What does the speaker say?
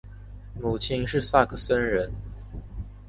母亲是萨克森人。